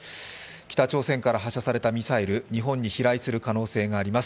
北朝鮮から発射されたミサイル日本に飛来する可能性があります。